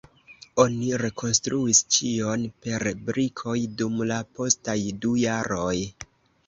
Oni rekonstruis ĉion per brikoj dum la postaj du jaroj.